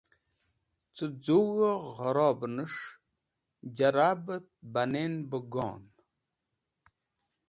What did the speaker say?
Cẽ z̃ug̃hẽ gẽrobnẽvẽs̃h j̃rabet banẽn be gok̃ht.